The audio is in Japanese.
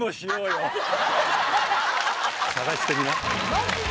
マジで？